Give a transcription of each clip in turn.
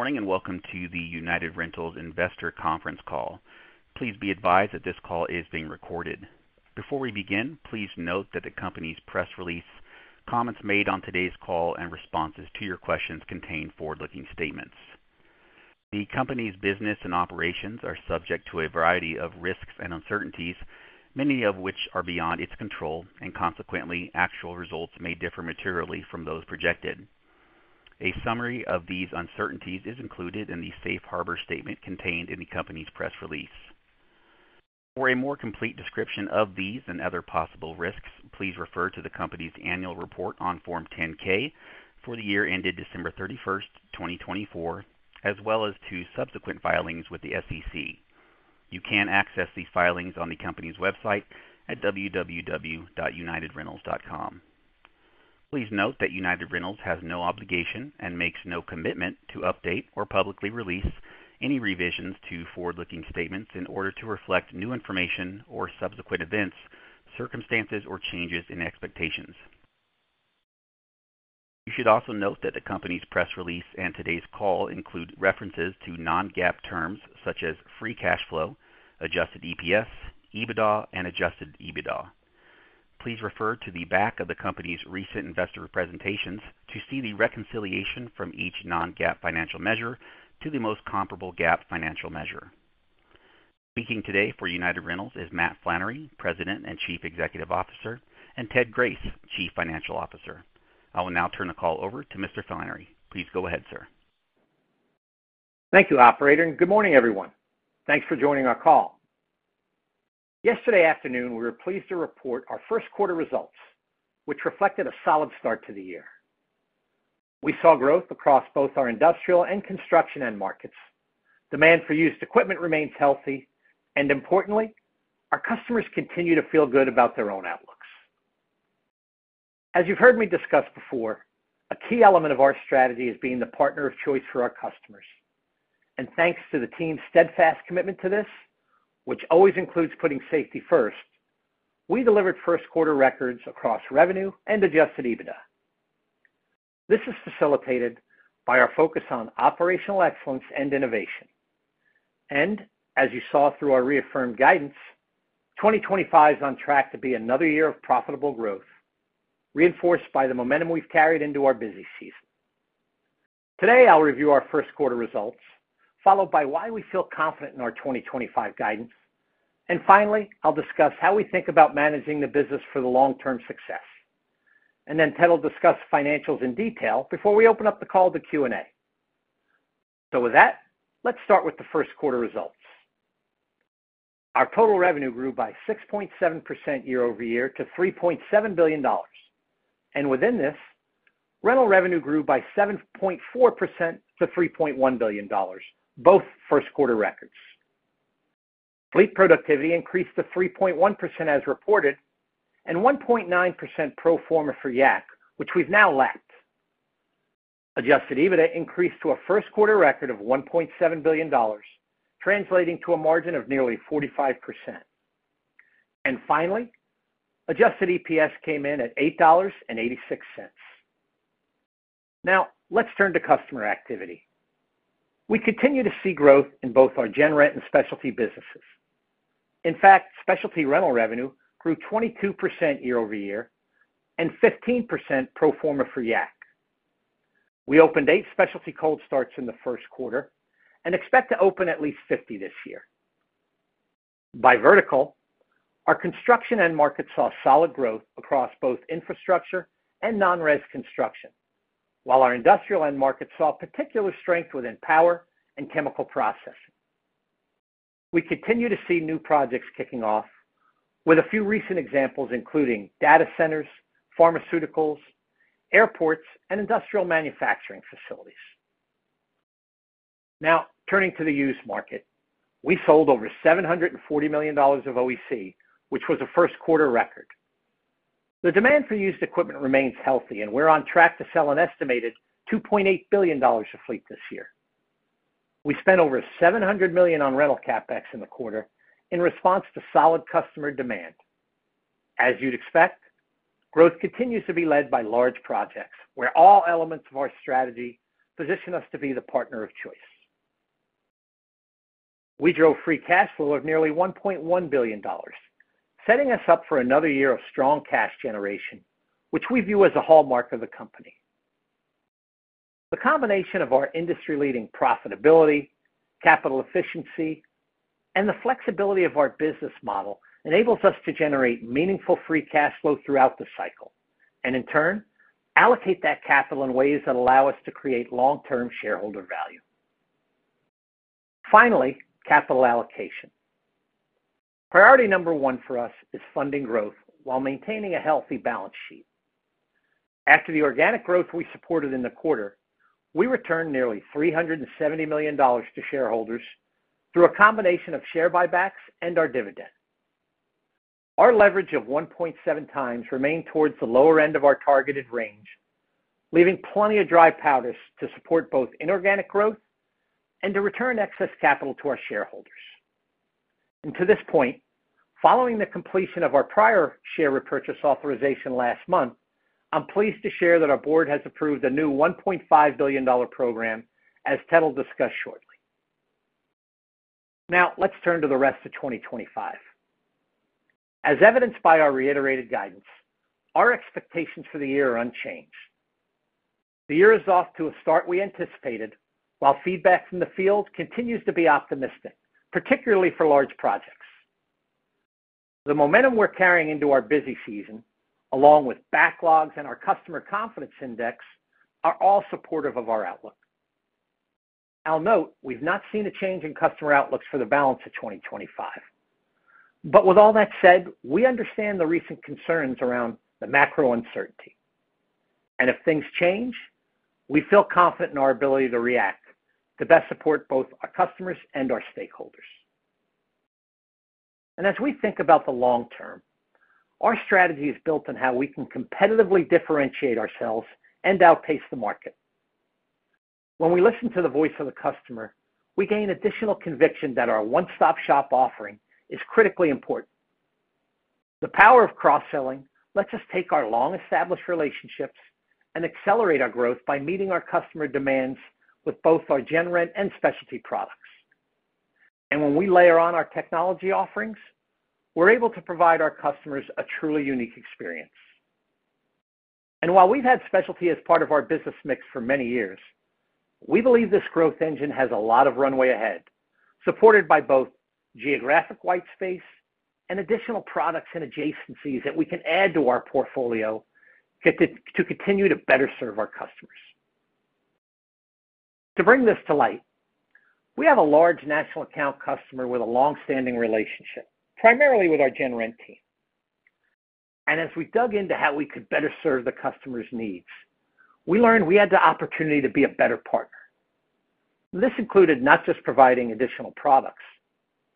Morning and welcome to the United Rentals investor conference call. Please be advised that this call is being recorded. Before we begin, please note that the company's press release, comments made on today's call, and responses to your questions contain forward-looking statements. The company's business and operations are subject to a variety of risks and uncertainties, many of which are beyond its control, and consequently, actual results may differ materially from those projected. A summary of these uncertainties is included in the safe harbor statement contained in the company's press release. For a more complete description of these and other possible risks, please refer to the company's annual report on Form 10-K for the year ended December 31, 2024, as well as to subsequent filings with the SEC. You can access these filings on the company's website at www.unitedrentals.com. Please note that United Rentals has no obligation and makes no commitment to update or publicly release any revisions to forward-looking statements in order to reflect new information or subsequent events, circumstances, or changes in expectations. You should also note that the company's press release and today's call include references to non-GAAP terms such as free cash flow, adjusted EPS, EBITDA, and adjusted EBITDA. Please refer to the back of the company's recent investor presentations to see the reconciliation from each non-GAAP financial measure to the most comparable GAAP financial measure. Speaking today for United Rentals is Matt Flannery, President and Chief Executive Officer, and Ted Grace, Chief Financial Officer. I will now turn the call over to Mr. Flannery. Please go ahead, sir. Thank you, Operator, and good morning, everyone. Thanks for joining our call. Yesterday afternoon, we were pleased to report our first quarter results, which reflected a solid start to the year. We saw growth across both our industrial and construction end markets, demand for used equipment remains healthy, and importantly, our customers continue to feel good about their own outlooks. As you've heard me discuss before, a key element of our strategy is being the partner of choice for our customers. Thanks to the team's steadfast commitment to this, which always includes putting safety first, we delivered first quarter records across revenue and adjusted EBITDA. This is facilitated by our focus on operational excellence and innovation. As you saw through our reaffirmed guidance, 2025 is on track to be another year of profitable growth, reinforced by the momentum we've carried into our busy season. Today, I'll review our first quarter results, followed by why we feel confident in our 2025 guidance. Finally, I'll discuss how we think about managing the business for the long-term success. Ted will discuss financials in detail before we open up the call to Q&A. With that, let's start with the first quarter results. Our total revenue grew by 6.7% year over year to $3.7 billion. Within this, rental revenue grew by 7.4% to $3.1 billion, both first quarter records. Fleet productivity increased to 3.1% as reported and 1.9% pro forma for Yak, which we've now lapped. Adjusted EBITDA increased to a first quarter record of $1.7 billion, translating to a margin of nearly 45%. Finally, adjusted EPS came in at $8.86. Now, let's turn to customer activity. We continue to see growth in both our Gen Rent and specialty businesses. In fact, specialty rental revenue grew 22% year over year and 15% pro forma for Yak. We opened eight specialty cold starts in the first quarter and expect to open at least 50 this year. By vertical, our construction end market saw solid growth across both infrastructure and non-res construction, while our industrial end market saw particular strength within power and chemical processing. We continue to see new projects kicking off, with a few recent examples including data centers, pharmaceuticals, airports, and industrial manufacturing facilities. Now, turning to the used market, we sold over $740 million of OEC, which was a first quarter record. The demand for used equipment remains healthy, and we're on track to sell an estimated $2.8 billion of fleet this year. We spent over $700 million on rental CapEx in the quarter in response to solid customer demand. As you'd expect, growth continues to be led by large projects where all elements of our strategy position us to be the partner of choice. We drove free cash flow of nearly $1.1 billion, setting us up for another year of strong cash generation, which we view as a hallmark of the company. The combination of our industry-leading profitability, capital efficiency, and the flexibility of our business model enables us to generate meaningful free cash flow throughout the cycle and, in turn, allocate that capital in ways that allow us to create long-term shareholder value. Finally, capital allocation. Priority number one for us is funding growth while maintaining a healthy balance sheet. After the organic growth we supported in the quarter, we returned nearly $370 million to shareholders through a combination of share buybacks and our dividend. Our leverage of 1.7 times remained towards the lower end of our targeted range, leaving plenty of dry powder to support both inorganic growth and to return excess capital to our shareholders. To this point, following the completion of our prior share repurchase authorization last month, I'm pleased to share that our board has approved a new $1.5 billion program, as Ted will discuss shortly. Now, let's turn to the rest of 2025. As evidenced by our reiterated guidance, our expectations for the year are unchanged. The year is off to a start we anticipated, while feedback from the field continues to be optimistic, particularly for large projects. The momentum we're carrying into our busy season, along with backlogs and our customer confidence index, are all supportive of our outlook. I'll note we've not seen a change in customer outlooks for the balance of 2025. With all that said, we understand the recent concerns around the macro uncertainty. If things change, we feel confident in our ability to react to best support both our customers and our stakeholders. As we think about the long term, our strategy is built on how we can competitively differentiate ourselves and outpace the market. When we listen to the voice of the customer, we gain additional conviction that our one-stop shop offering is critically important. The power of cross-selling lets us take our long-established relationships and accelerate our growth by meeting our customer demands with both our gen rent and specialty products. When we layer on our technology offerings, we are able to provide our customers a truly unique experience. While we've had specialty as part of our business mix for many years, we believe this growth engine has a lot of runway ahead, supported by both geographic white space and additional products and adjacencies that we can add to our portfolio to continue to better serve our customers. To bring this to light, we have a large national account customer with a long-standing relationship, primarily with our gen rent team. As we dug into how we could better serve the customer's needs, we learned we had the opportunity to be a better partner. This included not just providing additional products,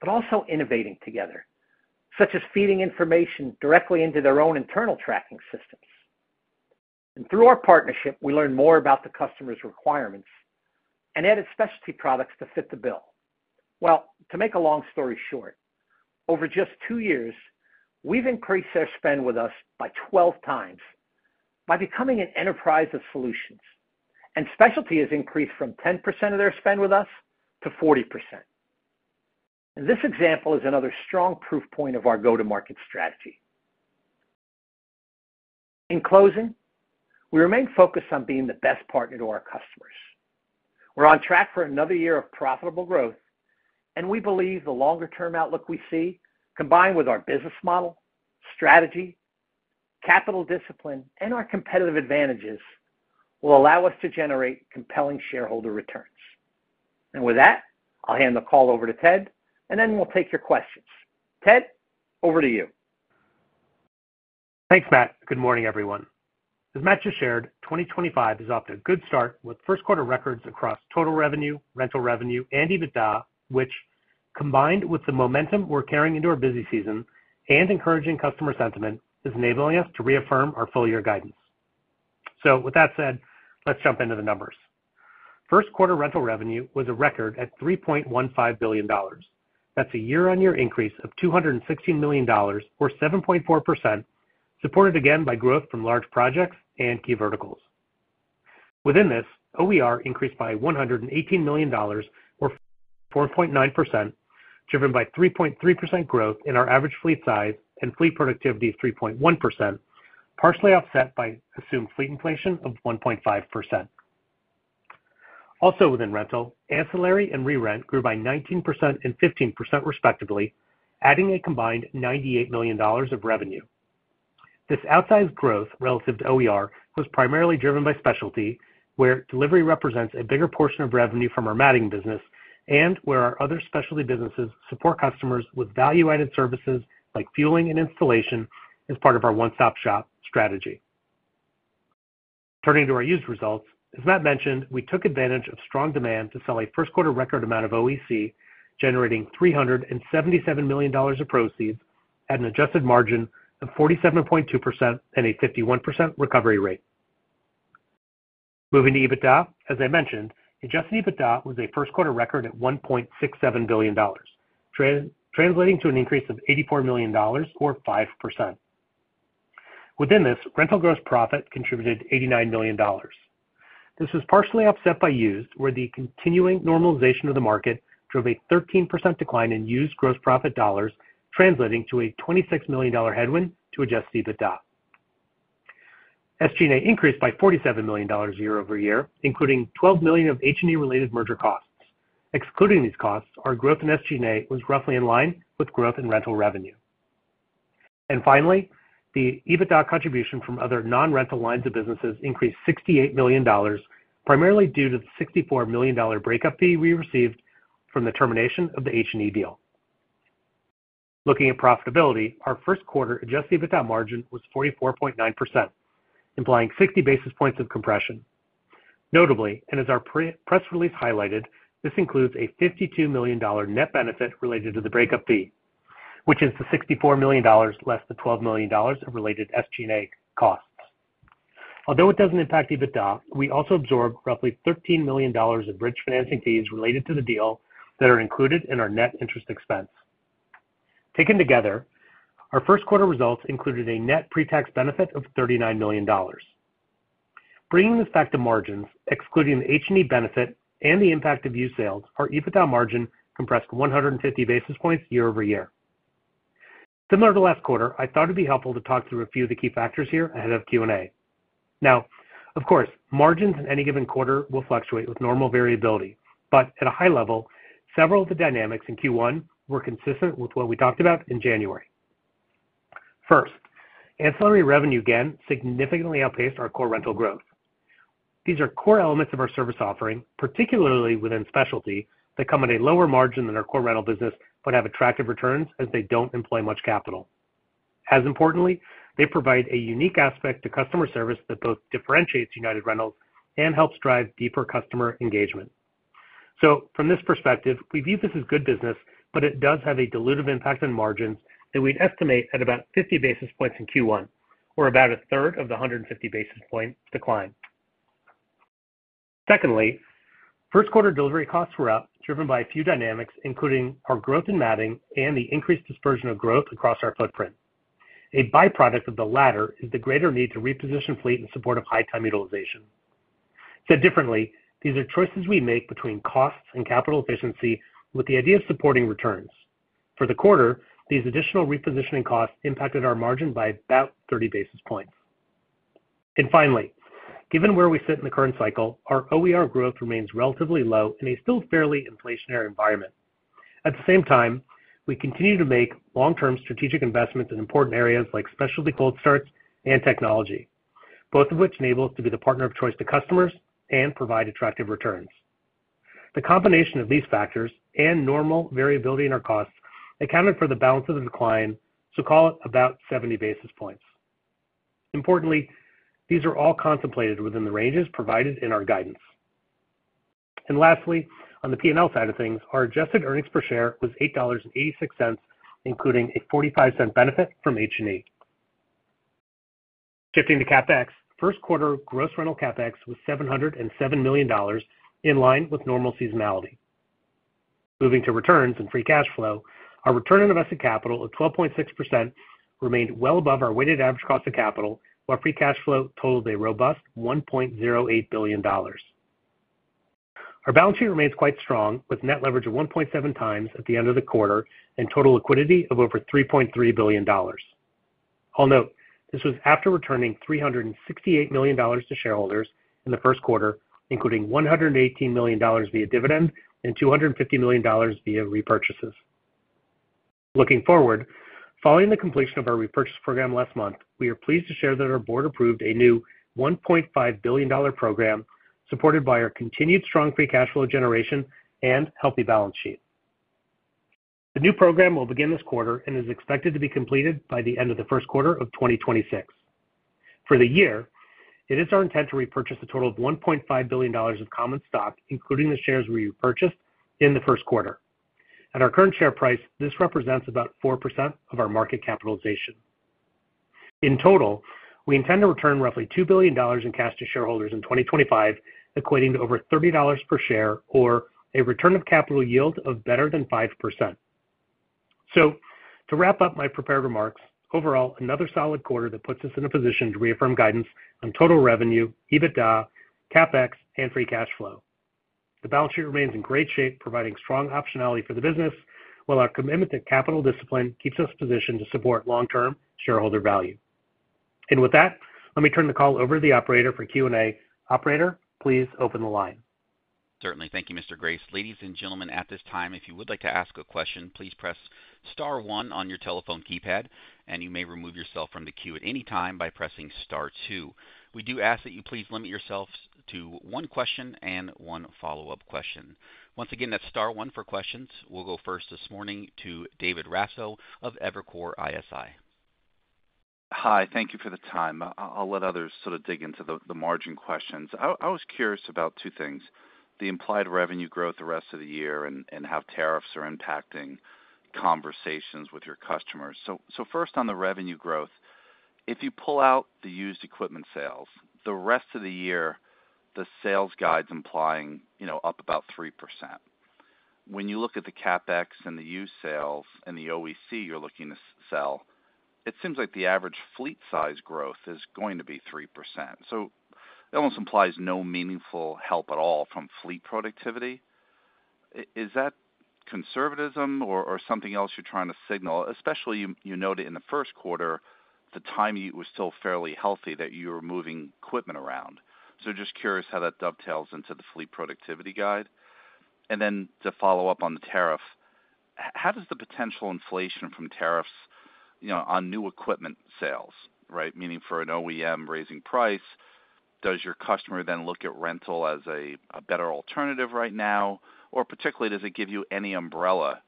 but also innovating together, such as feeding information directly into their own internal tracking systems. Through our partnership, we learned more about the customer's requirements and added specialty products to fit the bill. To make a long story short, over just two years, we've increased their spend with us by 12 times by becoming an enterprise of solutions. Specialty has increased from 10% of their spend with us to 40%. This example is another strong proof point of our go-to-market strategy. In closing, we remain focused on being the best partner to our customers. We're on track for another year of profitable growth, and we believe the longer-term outlook we see, combined with our business model, strategy, capital discipline, and our competitive advantages, will allow us to generate compelling shareholder returns. With that, I'll hand the call over to Ted, and then we'll take your questions. Ted, over to you. Thanks, Matt. Good morning, everyone. As Matt just shared, 2025 is off to a good start with first quarter records across total revenue, rental revenue, and EBITDA, which, combined with the momentum we're carrying into our busy season and encouraging customer sentiment, is enabling us to reaffirm our full-year guidance. With that said, let's jump into the numbers. First quarter rental revenue was a record at $3.15 billion. That's a year-on-year increase of $216 million, or 7.4%, supported again by growth from large projects and key verticals. Within this, OER increased by $118 million, or 4.9%, driven by 3.3% growth in our average fleet size and fleet productivity of 3.1%, partially offset by assumed fleet inflation of 1.5%. Also within rental, ancillary and re-rent grew by 19% and 15%, respectively, adding a combined $98 million of revenue. This outsized growth relative to OER was primarily driven by specialty, where delivery represents a bigger portion of revenue from our matting business and where our other specialty businesses support customers with value-added services like fueling and installation as part of our one-stop shop strategy. Turning to our used results, as Matt mentioned, we took advantage of strong demand to sell a first quarter record amount of OEC, generating $377 million of proceeds at an adjusted margin of 47.2% and a 51% recovery rate. Moving to EBITDA, as I mentioned, adjusted EBITDA was a first quarter record at $1.67 billion, translating to an increase of $84 million, or 5%. Within this, rental gross profit contributed $89 million. This was partially offset by used, where the continuing normalization of the market drove a 13% decline in used gross profit dollars, translating to a $26 million headwind to adjusted EBITDA. SG&A increased by $47 million year over year, including $12 million of H&E-related merger costs. Excluding these costs, our growth in SG&A was roughly in line with growth in rental revenue. Finally, the EBITDA contribution from other non-rental lines of businesses increased $68 million, primarily due to the $64 million breakup fee we received from the termination of the H&E deal. Looking at profitability, our first quarter adjusted EBITDA margin was 44.9%, implying 60 basis points of compression. Notably, and as our press release highlighted, this includes a $52 million net benefit related to the breakup fee, which is the $64 million less the $12 million of related SG&A costs. Although it does not impact EBITDA, we also absorbed roughly $13 million of bridge financing fees related to the deal that are included in our net interest expense. Taken together, our first quarter results included a net pre-tax benefit of $39 million. Bringing this back to margins, excluding the H&E benefit and the impact of used sales, our EBITDA margin compressed 150 basis points year over year. Similar to last quarter, I thought it would be helpful to talk through a few of the key factors here ahead of Q&A. Now, of course, margins in any given quarter will fluctuate with normal variability, but at a high level, several of the dynamics in Q1 were consistent with what we talked about in January. First, ancillary revenue again significantly outpaced our core rental growth. These are core elements of our service offering, particularly within specialty, that come at a lower margin than our core rental business, but have attractive returns as they don't employ much capital. As importantly, they provide a unique aspect to customer service that both differentiates United Rentals and helps drive deeper customer engagement. From this perspective, we view this as good business, but it does have a dilutive impact on margins that we'd estimate at about 50 basis points in Q1, or about a third of the 150 basis point decline. Secondly, first quarter delivery costs were up, driven by a few dynamics, including our growth in matting and the increased dispersion of growth across our footprint. A byproduct of the latter is the greater need to reposition fleet in support of high-time utilization. Said differently, these are choices we make between costs and capital efficiency with the idea of supporting returns. For the quarter, these additional repositioning costs impacted our margin by about 30 basis points. Finally, given where we sit in the current cycle, our OER growth remains relatively low in a still fairly inflationary environment. At the same time, we continue to make long-term strategic investments in important areas like specialty cold starts and technology, both of which enable us to be the partner of choice to customers and provide attractive returns. The combination of these factors and normal variability in our costs accounted for the balance of the decline, so call it about 70 basis points. Importantly, these are all contemplated within the ranges provided in our guidance. Lastly, on the P&L side of things, our adjusted earnings per share was $8.86, including a $0.45 benefit from H&E. Shifting to CapEx, first quarter gross rental CapEx was $707 million, in line with normal seasonality. Moving to returns and free cash flow, our return on invested capital of 12.6% remained well above our weighted average cost of capital, while free cash flow totaled a robust $1.08 billion. Our balance sheet remains quite strong, with net leverage of 1.7 times at the end of the quarter and total liquidity of over $3.3 billion. I'll note this was after returning $368 million to shareholders in the first quarter, including $118 million via dividend and $250 million via repurchases. Looking forward, following the completion of our repurchase program last month, we are pleased to share that our board approved a new $1.5 billion program supported by our continued strong free cash flow generation and healthy balance sheet. The new program will begin this quarter and is expected to be completed by the end of the first quarter of 2026. For the year, it is our intent to repurchase a total of $1.5 billion of common stock, including the shares we repurchased in the first quarter. At our current share price, this represents about 4% of our market capitalization. In total, we intend to return roughly $2 billion in cash to shareholders in 2025, equating to over $30 per share, or a return of capital yield of better than 5%. To wrap up my prepared remarks, overall, another solid quarter that puts us in a position to reaffirm guidance on total revenue, EBITDA, CapEx, and free cash flow. The balance sheet remains in great shape, providing strong optionality for the business, while our commitment to capital discipline keeps us positioned to support long-term shareholder value. With that, let me turn the call over to the operator for Q&A. Operator, please open the line. Certainly. Thank you, Mr. Grace. Ladies and gentlemen, at this time, if you would like to ask a question, please press Star one on your telephone keypad, and you may remove yourself from the queue at any time by pressing Star two. We do ask that you please limit yourself to one question and one follow-up question. Once again, that's Star one for questions. We'll go first this morning to David Raso of Evercore ISI. Hi. Thank you for the time. I'll let others sort of dig into the margin questions. I was curious about two things: the implied revenue growth the rest of the year and how tariffs are impacting conversations with your customers. First, on the revenue growth, if you pull out the used equipment sales, the rest of the year, the sales guide's implying up about 3%. When you look at the CapEx and the used sales and the OEC you're looking to sell, it seems like the average fleet size growth is going to be 3%. It almost implies no meaningful help at all from fleet productivity. Is that conservatism or something else you're trying to signal? Especially, you noted in the first quarter, the time you were still fairly healthy that you were moving equipment around. Just curious how that dovetails into the fleet productivity guide. And then to follow up on the tariff, how does the potential inflation from tariffs on new equipment sales, right? Meaning for an OEM raising price, does your customer then look at rental as a better alternative right now? Or particularly, does it give you any umbrella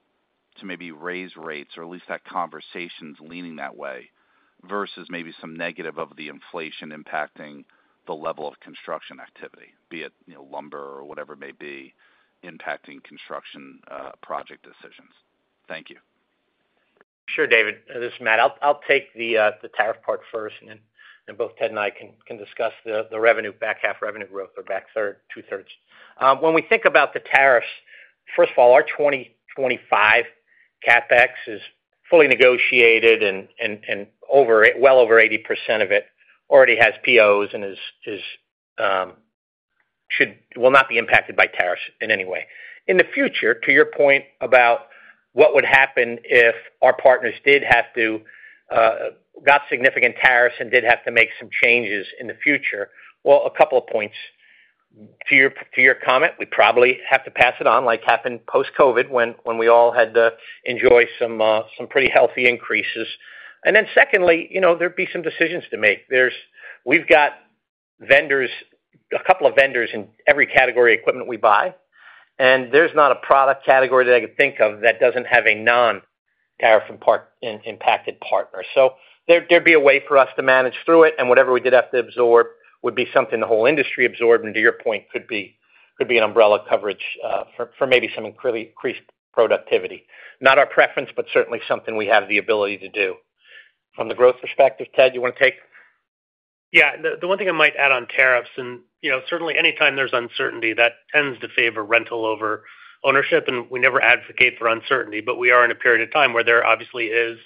to maybe raise rates or at least have conversations leaning that way versus maybe some negative of the inflation impacting the level of construction activity, be it lumber or whatever it may be, impacting construction project decisions? Thank you. Sure, David. This is Matt. I'll take the tariff part first, and then both Ted and I can discuss the revenue back half revenue growth or back third, two-thirds. When we think about the tariffs, first of all, our 2025 CapEx is fully negotiated, and well over 80% of it already has POs and will not be impacted by tariffs in any way. In the future, to your point about what would happen if our partners did have to got significant tariffs and did have to make some changes in the future, a couple of points. To your comment, we probably have to pass it on like happened post-COVID when we all had to enjoy some pretty healthy increases. Secondly, there'd be some decisions to make. We've got vendors, a couple of vendors in every category of equipment we buy, and there's not a product category that I could think of that doesn't have a non-tariff impacted partner. There'd be a way for us to manage through it, and whatever we did have to absorb would be something the whole industry absorbed, and to your point, could be an umbrella coverage for maybe some increased productivity. Not our preference, but certainly something we have the ability to do. From the growth perspective, Ted, you want to take? Yeah. The one thing I might add on tariffs, and certainly anytime there's uncertainty, that tends to favor rental over ownership, and we never advocate for uncertainty, but we are in a period of time where there obviously is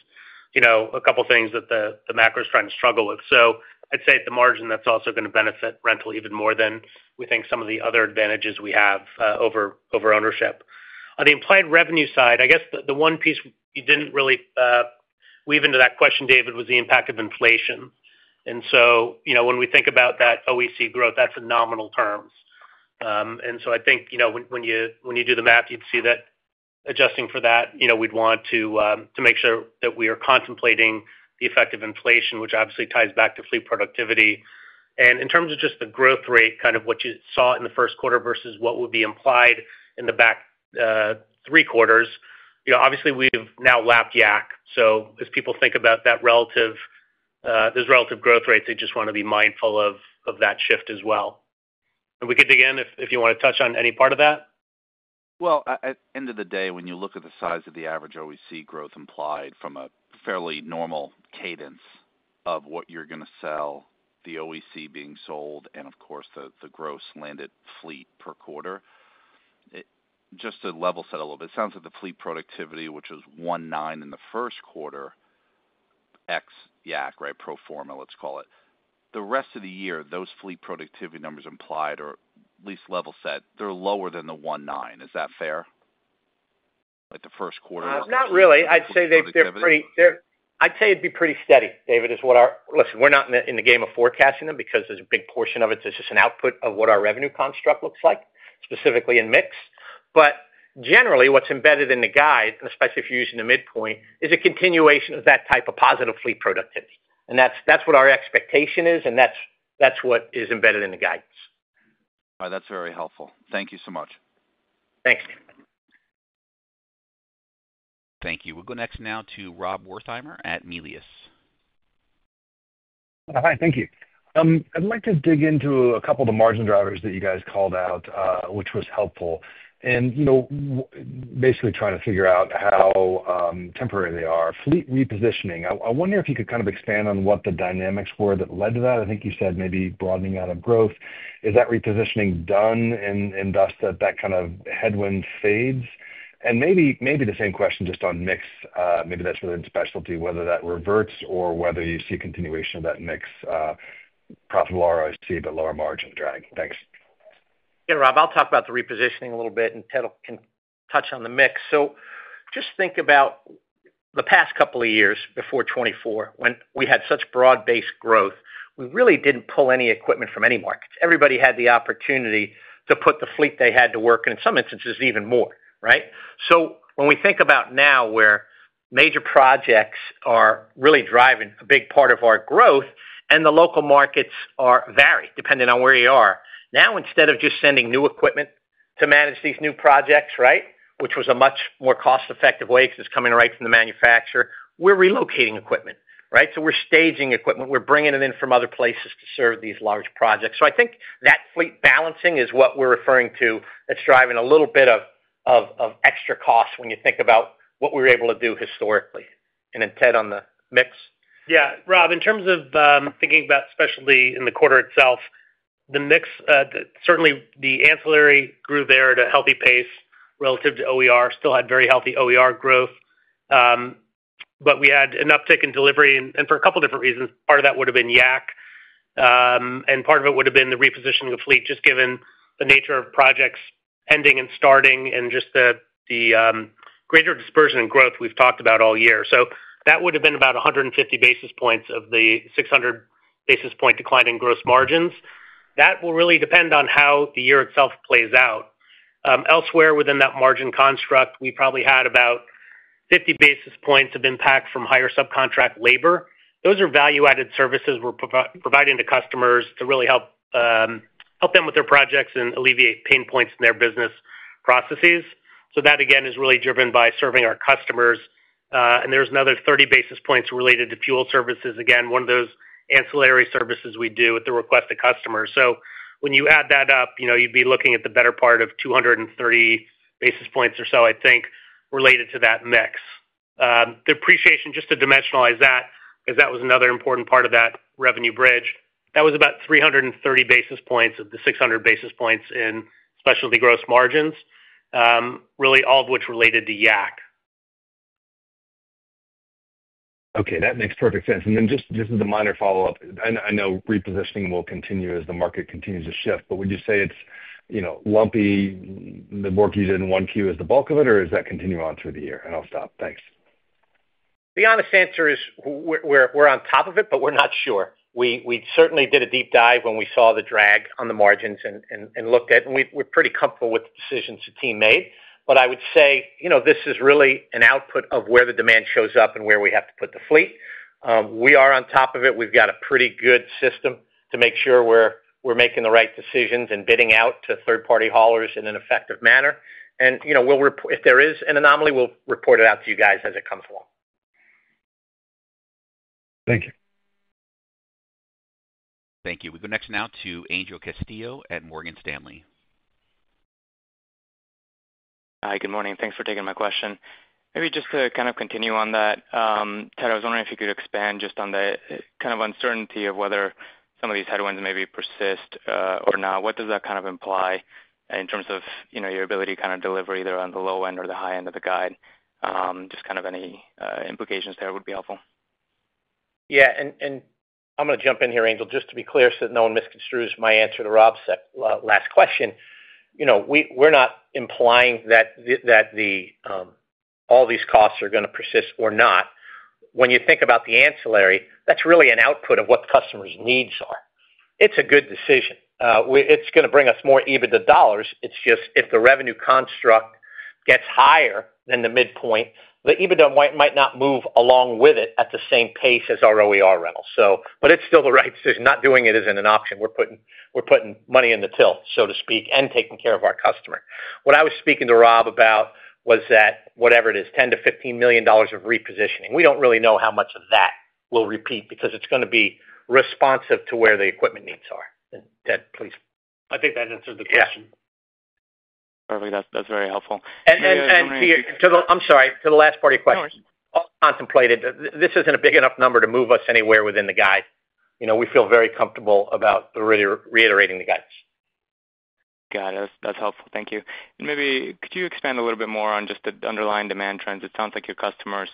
a couple of things that the macro's trying to struggle with. I'd say at the margin, that's also going to benefit rental even more than we think some of the other advantages we have over ownership. On the implied revenue side, I guess the one piece you didn't really weave into that question, David, was the impact of inflation. When we think about that OEC growth, that's in nominal terms. I think when you do the math, you'd see that adjusting for that, we'd want to make sure that we are contemplating the effect of inflation, which obviously ties back to fleet productivity. In terms of just the growth rate, kind of what you saw in the first quarter versus what would be implied in the back three quarters, obviously, we've now lapped Yak. As people think about that relative, there's relative growth rates, they just want to be mindful of that shift as well. We could dig in if you want to touch on any part of that. At the end of the day, when you look at the size of the average OEC growth implied from a fairly normal cadence of what you're going to sell, the OEC being sold, and of course, the gross landed fleet per quarter, just to level set a little bit, it sounds like the fleet productivity, which was 1.9 in the first quarter, ex Yak, right, pro forma, let's call it. The rest of the year, those fleet productivity numbers implied are at least level set, they're lower than the 1.9. Is that fair? Like the first quarter? Not really. I'd say they're pretty, I'd say it'd be pretty steady, David, is what our, listen, we're not in the game of forecasting them because there's a big portion of it that's just an output of what our revenue construct looks like, specifically in mix. Generally, what's embedded in the guide, and especially if you're using the midpoint, is a continuation of that type of positive fleet productivity. That's what our expectation is, and that's what is embedded in the guidance. All right. That's very helpful. Thank you so much. Thanks. Thank you. We'll go next now to Rob Wertheimer at Melius. Hi. Thank you. I'd like to dig into a couple of the margin drivers that you guys called out, which was helpful. Basically trying to figure out how temporary they are. Fleet repositioning, I wonder if you could kind of expand on what the dynamics were that led to that. I think you said maybe broadening out of growth. Is that repositioning done and thus that that kind of headwind fades? Maybe the same question just on mix, maybe that's within specialty, whether that reverts or whether you see a continuation of that mix, profitable ROIC, but lower margin drag. Thanks. Yeah, Rob, I'll talk about the repositioning a little bit, and Ted can touch on the mix. Just think about the past couple of years before 2024, when we had such broad-based growth, we really didn't pull any equipment from any markets. Everybody had the opportunity to put the fleet they had to work, and in some instances, even more, right? When we think about now where major projects are really driving a big part of our growth, and the local markets vary depending on where you are, now instead of just sending new equipment to manage these new projects, right, which was a much more cost-effective way because it's coming right from the manufacturer, we're relocating equipment, right? We're staging equipment. We're bringing it in from other places to serve these large projects. I think that fleet balancing is what we're referring to that's driving a little bit of extra cost when you think about what we were able to do historically. And then Ted on the mix. Yeah. Rob, in terms of thinking about specialty in the quarter itself, the mix, certainly the ancillary grew there at a healthy pace relative to OER, still had very healthy OER growth, but we had an uptick in delivery, and for a couple of different reasons. Part of that would have been Yak. And part of it would have been the repositioning of fleet, just given the nature of projects ending and starting and just the greater dispersion and growth we've talked about all year. That would have been about 150 basis points of the 600 basis point decline in gross margins. That will really depend on how the year itself plays out. Elsewhere within that margin construct, we probably had about 50 basis points of impact from higher subcontract labor. Those are value-added services we are providing to customers to really help them with their projects and alleviate pain points in their business processes. That, again, is really driven by serving our customers. There is another 30 basis points related to fuel services, again, one of those ancillary services we do at the request of customers. When you add that up, you would be looking at the better part of 230 basis points or so, I think, related to that mix. The appreciation, just to dimensionalize that, because that was another important part of that revenue bridge, that was about 330 basis points of the 600 basis points in specialty gross margins, really all of which related to Yak. Okay. That makes perfect sense. Just as a minor follow-up, I know repositioning will continue as the market continues to shift, but would you say it's lumpy, the work you did in Q1 is the bulk of it, or is that continuing on through the year? I'll stop. Thanks. The honest answer is we're on top of it, but we're not sure. We certainly did a deep dive when we saw the drag on the margins and looked at it, and we're pretty comfortable with the decisions the team made. I would say this is really an output of where the demand shows up and where we have to put the fleet. We are on top of it. We've got a pretty good system to make sure we're making the right decisions and bidding out to third-party haulers in an effective manner. If there is an anomaly, we'll report it out to you guys as it comes along. Thank you. Thank you. We go next now to Angel Castillo at Morgan Stanley. Hi. Good morning. Thanks for taking my question. Maybe just to kind of continue on that, Ted, I was wondering if you could expand just on the kind of uncertainty of whether some of these headwinds maybe persist or not. What does that kind of imply in terms of your ability to kind of deliver either on the low end or the high end of the guide? Just kind of any implications there would be helpful. Yeah. I'm going to jump in here, Angel, just to be clear so that no one misconstrues my answer to Rob's last question. We're not implying that all these costs are going to persist or not. When you think about the ancillary, that's really an output of what the customer's needs are. It's a good decision. It's going to bring us more EBITDA dollars. It's just if the revenue construct gets higher than the midpoint, the EBITDA might not move along with it at the same pace as our OER rentals. It's still the right decision. Not doing it isn't an option. We're putting money in the till, so to speak, and taking care of our customer. What I was speaking to Rob about was that whatever it is, $10 million-$15 million of repositioning. We do not really know how much of that will repeat because it is going to be responsive to where the equipment needs are. Ted, please. I think that answered the question. Yeah Perfect. That's very helpful. To the last part of your question. All contemplated, this isn't a big enough number to move us anywhere within the guide. We feel very comfortable about reiterating the guidance. Got it. That's helpful. Thank you. Maybe could you expand a little bit more on just the underlying demand trends? It sounds like your customers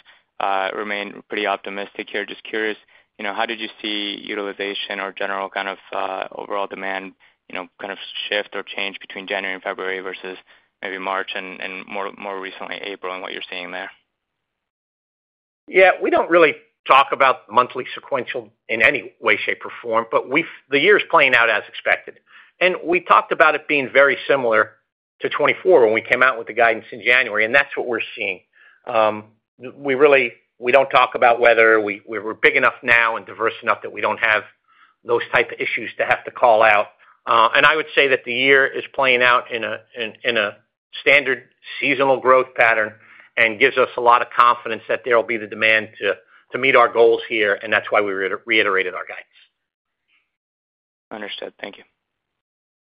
remain pretty optimistic here. Just curious, how did you see utilization or general kind of overall demand kind of shift or change between January and February versus maybe March and more recently April and what you're seeing there? Yeah. We do not really talk about monthly sequential in any way, shape, or form, but the year is playing out as expected. We talked about it being very similar to 2024 when we came out with the guidance in January, and that is what we are seeing. We do not talk about whether we are big enough now and diverse enough that we do not have those type of issues to have to call out. I would say that the year is playing out in a standard seasonal growth pattern and gives us a lot of confidence that there will be the demand to meet our goals here, and that is why we reiterated our guidance. Understood. Thank you.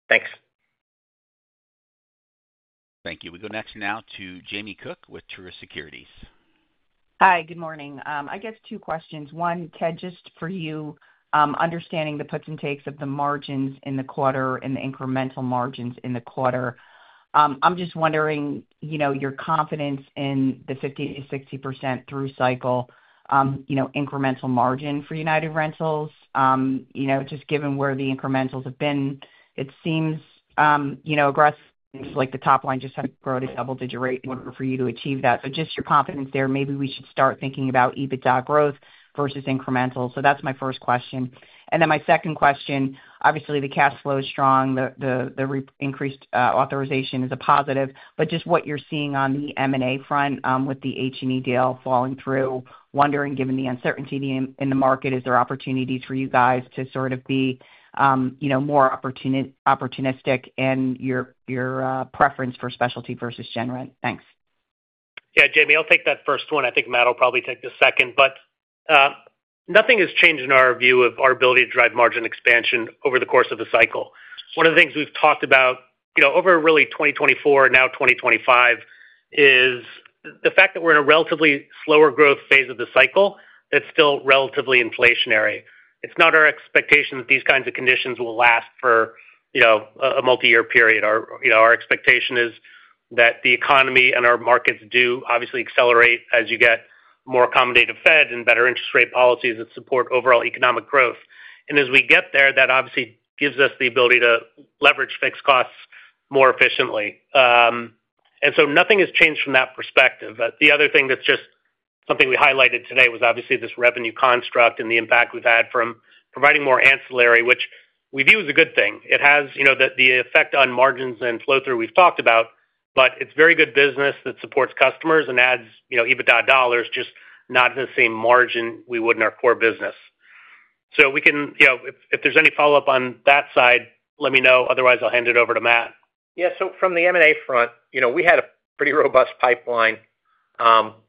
Thanks. Thank you. We go next now to Jamie Cook with Truist Securities. Hi. Good morning. I guess two questions. One, Ted, just for you, understanding the puts and takes of the margins in the quarter and the incremental margins in the quarter. I'm just wondering your confidence in the 50-60% through cycle incremental margin for United Rentals, just given where the incrementals have been. It seems aggressive, things like the top line just had to grow at a double-digit rate in order for you to achieve that. Just your confidence there, maybe we should start thinking about EBITDA growth versus incremental. That's my first question. My second question, obviously, the cash flow is strong. The increased authorization is a positive. Just what you're seeing on the M&A front with the H&E deal falling through, wondering, given the uncertainty in the market, is there opportunities for you guys to sort of be more opportunistic in your preference for specialty versus gen rent? Thanks. Yeah, Jamie, I'll take that first one. I think Matt will probably take the second. Nothing has changed in our view of our ability to drive margin expansion over the course of the cycle. One of the things we've talked about over really 2024, now 2025, is the fact that we're in a relatively slower growth phase of the cycle that's still relatively inflationary. It's not our expectation that these kinds of conditions will last for a multi-year period. Our expectation is that the economy and our markets do obviously accelerate as you get more accommodative Fed and better interest rate policies that support overall economic growth. As we get there, that obviously gives us the ability to leverage fixed costs more efficiently. Nothing has changed from that perspective. The other thing that's just something we highlighted today was obviously this revenue construct and the impact we've had from providing more ancillary, which we view as a good thing. It has the effect on margins and flow-through we've talked about, but it's very good business that supports customers and adds EBITDA dollars, just not the same margin we would in our core business. If there's any follow-up on that side, let me know. Otherwise, I'll hand it over to Matt. Yeah. From the M&A front, we had a pretty robust pipeline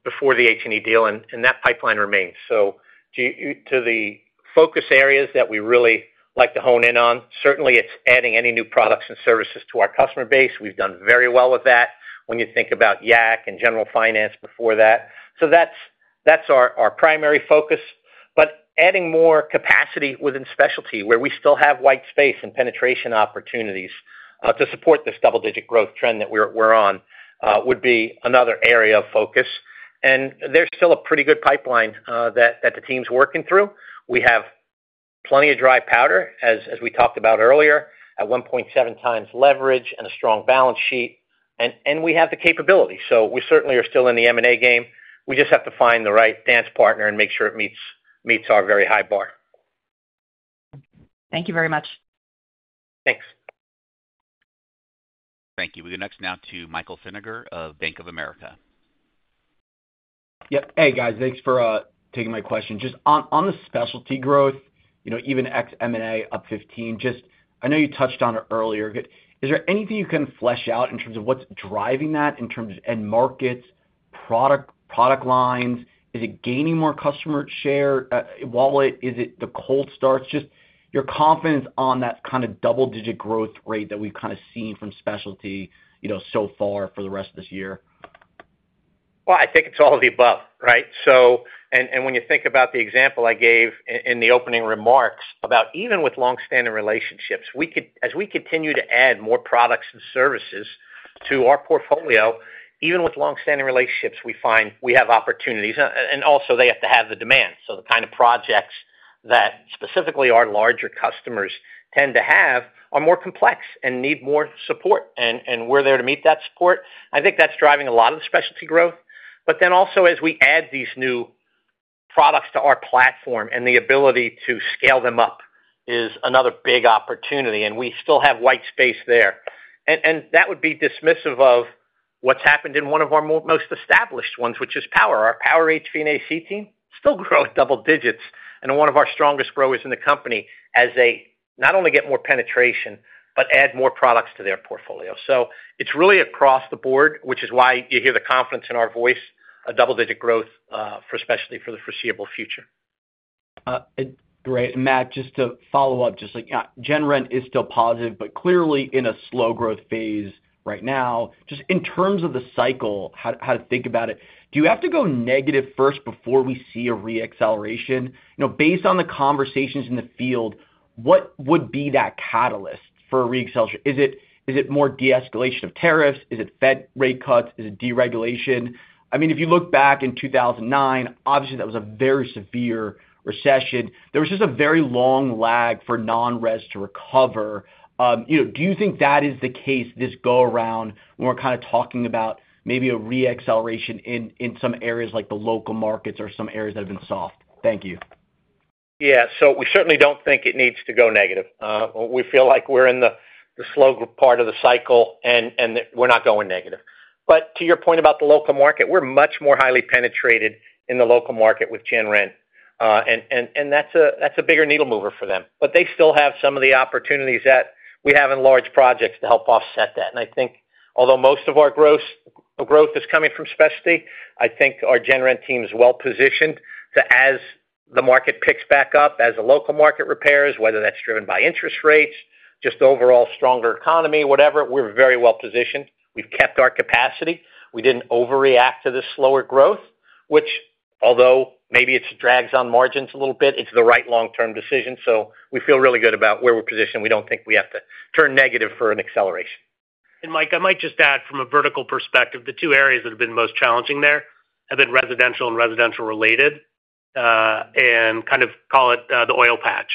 before the H&E deal, and that pipeline remains. To the focus areas that we really like to hone in on, certainly it is adding any new products and services to our customer base. We've done very well with that when you think about Yak and General Finance before that. That is our primary focus. Adding more capacity within specialty where we still have white space and penetration opportunities to support this double-digit growth trend that we're on would be another area of focus. There is still a pretty good pipeline that the team's working through. We have plenty of dry powder, as we talked about earlier, at 1.7 times leverage and a strong balance sheet. We have the capability. We certainly are still in the M&A game. We just have to find the right dance partner and make sure it meets our very high bar. Thank you very much. Thanks. Thank you. We go next now to Michael Feniger of Bank of America. Yep. Hey, guys. Thanks for taking my question. Just on the specialty growth, even ex M&A up 15%, just I know you touched on it earlier. Is there anything you can flesh out in terms of what's driving that in terms of end markets, product lines? Is it gaining more customer share? Is it the cold starts? Just your confidence on that kind of double-digit growth rate that we've kind of seen from specialty so far for the rest of this year? I think it's all of the above, right? And when you think about the example I gave in the opening remarks about even with long-standing relationships, as we continue to add more products and services to our portfolio, even with long-standing relationships, we find we have opportunities. Also, they have to have the demand. The kind of projects that specifically our larger customers tend to have are more complex and need more support. We're there to meet that support. I think that's driving a lot of the specialty growth. Also, as we add these new products to our platform and the ability to scale them up is another big opportunity. We still have white space there. That would be dismissive of what's happened in one of our most established ones, which is Power. Our Power HVAC team still grow at double digits. One of our strongest growers in the company as they not only get more penetration but add more products to their portfolio. It is really across the board, which is why you hear the confidence in our voice, a double-digit growth for specialty for the foreseeable future. Great. Matt, just to follow up, just gen rent is still positive, but clearly in a slow growth phase right now. Just in terms of the cycle, how to think about it, do you have to go negative first before we see a reacceleration? Based on the conversations in the field, what would be that catalyst for a reacceleration? Is it more de-escalation of tariffs? Is it Fed rate cuts? Is it deregulation? I mean, if you look back in 2009, obviously, that was a very severe recession. There was just a very long lag for non-res to recover. Do you think that is the case this go-around when we're kind of talking about maybe a reacceleration in some areas like the local markets or some areas that have been soft? Thank you. Yeah. We certainly don't think it needs to go negative. We feel like we're in the slow part of the cycle and we're not going negative. To your point about the local market, we're much more highly penetrated in the local market with gen rent. That's a bigger needle mover for them. They still have some of the opportunities that we have in large projects to help offset that. I think, although most of our growth is coming from specialty, our gen rent team is well positioned to, as the market picks back up, as the local market repairs, whether that's driven by interest rates, just overall stronger economy, whatever, we're very well positioned. We've kept our capacity. We didn't overreact to this slower growth, which, although maybe it drags on margins a little bit, it's the right long-term decision. We feel really good about where we're positioned. We don't think we have to turn negative for an acceleration. Mike, I might just add, from a vertical perspective, the two areas that have been most challenging there have been residential and residential-related and kind of call it the oil patch.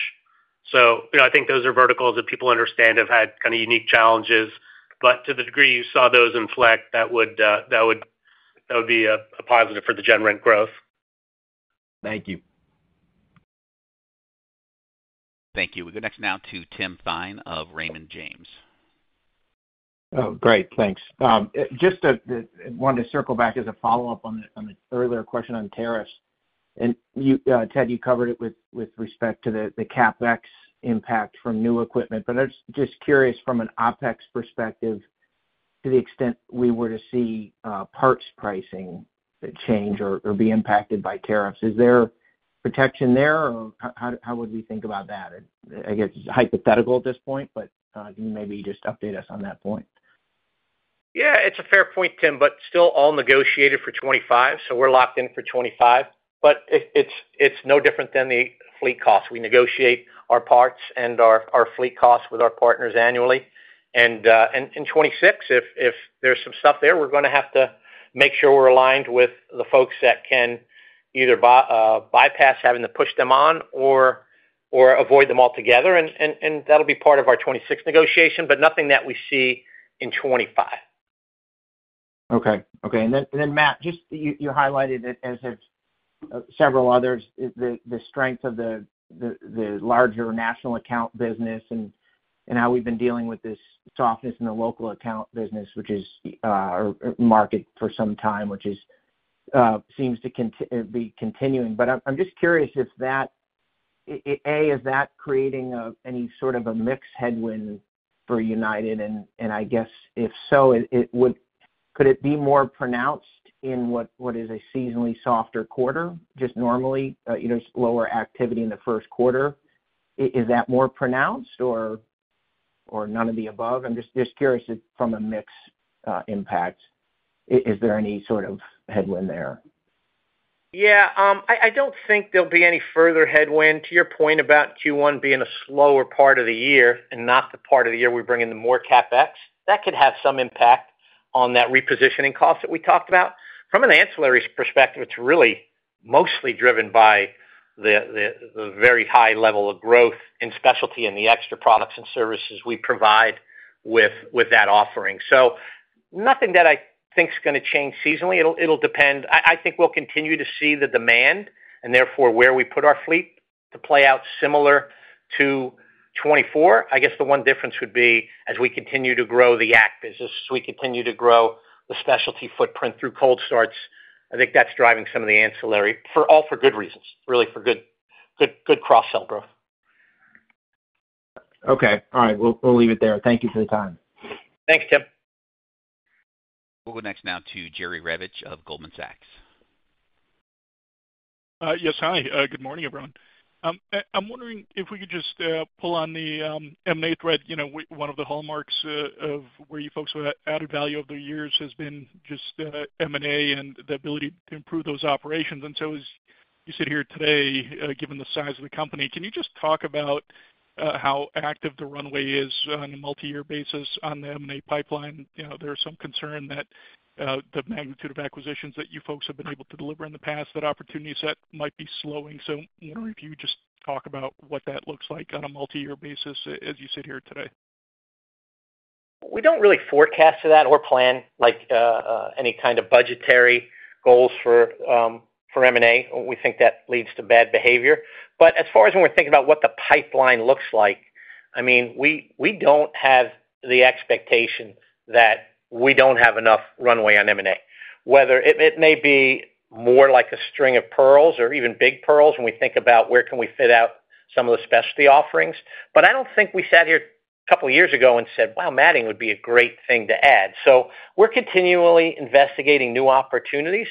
I think those are verticals that people understand have had kind of unique challenges. To the degree you saw those inflect, that would be a positive for the gen rent growth. Thank you. Thank you. We go next now to Tim Thein of Raymond James. Oh, great. Thanks. Just wanted to circle back as a follow-up on the earlier question on tariffs. Ted, you covered it with respect to the CapEx impact from new equipment. I'm just curious, from an OpEx perspective, to the extent we were to see parts pricing change or be impacted by tariffs, is there protection there? How would we think about that? I guess it's hypothetical at this point, but can you maybe just update us on that point? Yeah. It's a fair point, Tim, but still all negotiated for 2025. We're locked in for 2025. It's no different than the fleet costs. We negotiate our parts and our fleet costs with our partners annually. In 2026, if there's some stuff there, we're going to have to make sure we're aligned with the folks that can either bypass having to push them on or avoid them altogether. That will be part of our 2026 negotiation, but nothing that we see in 2025. Okay. Okay. Matt, just you highlighted it as have several others, the strength of the larger national account business and how we've been dealing with this softness in the local account business, which is market for some time, which seems to be continuing. I'm just curious if that, A, is that creating any sort of a mixed headwind for United? I guess if so, could it be more pronounced in what is a seasonally softer quarter, just normally, lower activity in the first quarter? Is that more pronounced or none of the above? I'm just curious if from a mixed impact, is there any sort of headwind there? Yeah. I do not think there will be any further headwind. To your point about Q1 being a slower part of the year and not the part of the year we bring in the more CapEx, that could have some impact on that repositioning cost that we talked about. From an ancillary perspective, it is really mostly driven by the very high level of growth in specialty and the extra products and services we provide with that offering. Nothing that I think is going to change seasonally. It will depend. I think we will continue to see the demand and therefore where we put our fleet to play out similar to 2024. I guess the one difference would be as we continue to grow the Yak business, as we continue to grow the specialty footprint through cold starts. I think that's driving some of the ancillary, all for good reasons, really for good cross-sell growth. Okay. All right. We'll leave it there. Thank you for the time. Thanks, Tim. We'll go next now to Jerry Revich of Goldman Sachs. Yes. Hi. Good morning, everyone. I'm wondering if we could just pull on the M&A thread. One of the hallmarks of where you folks have added value over the years has been just M&A and the ability to improve those operations. As you sit here today, given the size of the company, can you just talk about how active the runway is on a multi-year basis on the M&A pipeline? There's some concern that the magnitude of acquisitions that you folks have been able to deliver in the past, that opportunity set might be slowing. I wonder if you could just talk about what that looks like on a multi-year basis as you sit here today. We do not really forecast for that or plan any kind of budgetary goals for M&A. We think that leads to bad behavior. As far as when we are thinking about what the pipeline looks like, I mean, we do not have the expectation that we do not have enough runway on M&A, whether it may be more like a string of pearls or even big pearls when we think about where can we fit out some of the specialty offerings. I do not think we sat here a couple of years ago and said, "Wow, matting would be a great thing to add." We are continually investigating new opportunities,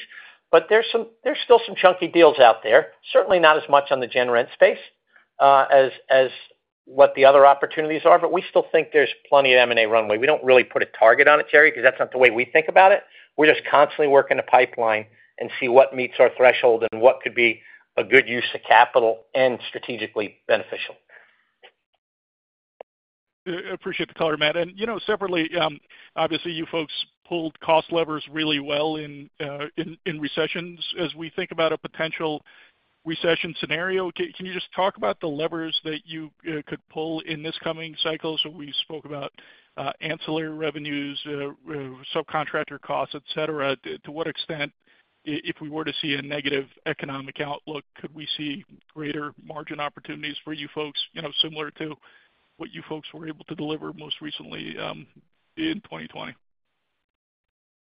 but there are still some chunky deals out there. Certainly not as much on the general rental space as what the other opportunities are, but we still think there is plenty of M&A runway. We don't really put a target on it, Jerry, because that's not the way we think about it. We're just constantly working the pipeline and see what meets our threshold and what could be a good use of capital and strategically beneficial. I appreciate the color, Matt. Separately, obviously, you folks pulled cost levers really well in recessions. As we think about a potential recession scenario, can you just talk about the levers that you could pull in this coming cycle? We spoke about ancillary revenues, subcontractor costs, etc. To what extent, if we were to see a negative economic outlook, could we see greater margin opportunities for you folks similar to what you folks were able to deliver most recently in 2020?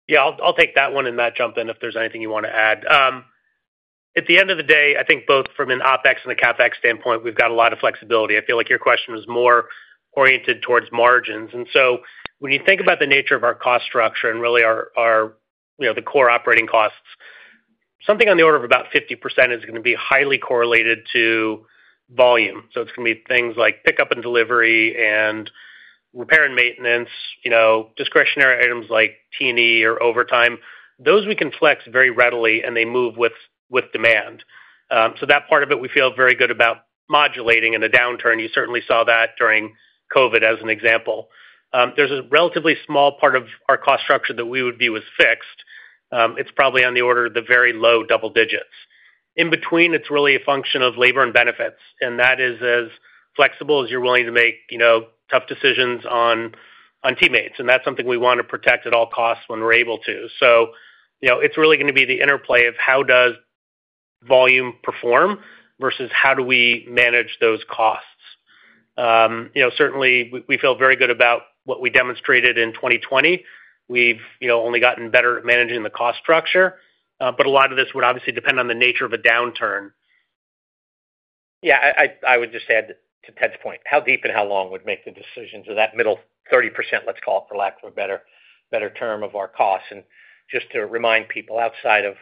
Yeah. I'll take that one and Matt, jump in if there's anything you want to add. At the end of the day, I think both from an OpEx and a CapEx standpoint, we've got a lot of flexibility. I feel like your question was more oriented towards margins. When you think about the nature of our cost structure and really the core operating costs, something on the order of about 50% is going to be highly correlated to volume. It's going to be things like pickup and delivery and repair and maintenance, discretionary items like T&E or overtime. Those we can flex very readily, and they move with demand. That part of it, we feel very good about modulating. In a downturn, you certainly saw that during COVID as an example. There's a relatively small part of our cost structure that we would view as fixed. It's probably on the order of the very low double digits. In between, it's really a function of labor and benefits. That is as flexible as you're willing to make tough decisions on teammates. That is something we want to protect at all costs when we're able to. It's really going to be the interplay of how does volume perform versus how do we manage those costs. Certainly, we feel very good about what we demonstrated in 2020. We've only gotten better at managing the cost structure. A lot of this would obviously depend on the nature of a downturn. I would just add to Ted's point. How deep and how long would make the decisions of that middle 30%, let's call it for lack of a better term, of our costs. Just to remind people, outside of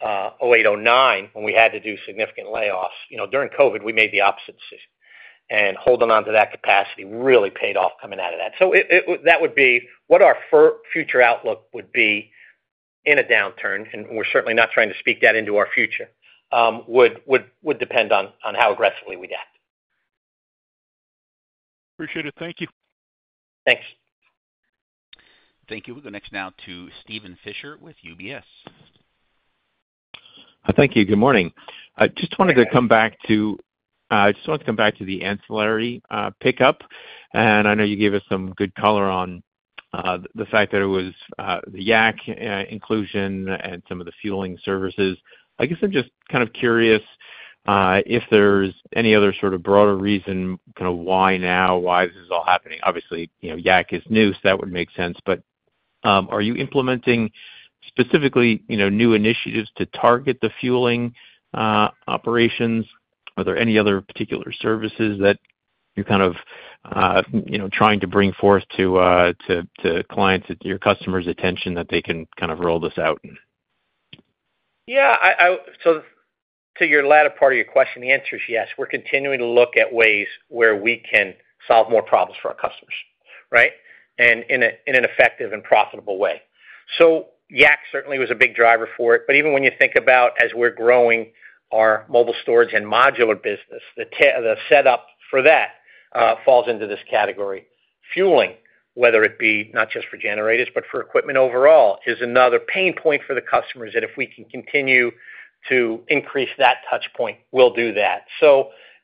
2008, 2009, when we had to do significant layoffs, during COVID, we made the opposite decision. Holding on to that capacity really paid off coming out of that. That would be what our future outlook would be in a downturn. We are certainly not trying to speak that into our future; it would depend on how aggressively we would act. Appreciate it. Thank you. Thanks. Thank you. We'll go next now to Steven Fisher with UBS. Thank you. Good morning. I just wanted to come back to the ancillary pickup. I know you gave us some good color on the fact that it was the Yak inclusion and some of the fueling services. I guess I'm just kind of curious if there's any other sort of broader reason kind of why now, why this is all happening. Obviously, Yak is new, so that would make sense. Are you implementing specifically new initiatives to target the fueling operations? Are there any other particular services that you're kind of trying to bring forth to clients, to your customers' attention that they can kind of roll this out? Yeah. To your latter part of your question, the answer is yes. We're continuing to look at ways where we can solve more problems for our customers, right, and in an effective and profitable way. Yak certainly was a big driver for it. Even when you think about as we're growing our mobile storage and modular business, the setup for that falls into this category. Fueling, whether it be not just for generators, but for equipment overall, is another pain point for the customers that if we can continue to increase that touchpoint, we'll do that.